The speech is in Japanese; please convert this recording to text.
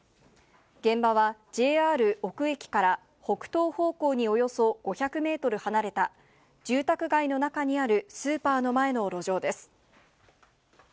現場はＪＲ尾久駅から北東方向におよそ５００メートル離れた住宅街の中にあるスーパーの前の路上です。